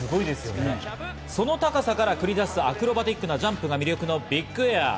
その高さから繰り出すアクロバティックなジャンプが魅力のビッグエア。